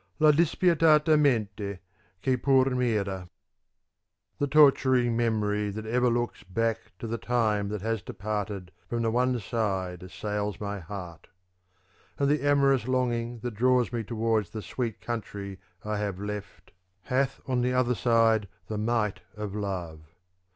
] La dispietata mente, che pur mira. The torturing memory that ever looks back to the time that has departed from the one side assails my heart : And the amorous longing that draws me towards the sweet country I have left hath on the other side the might of love.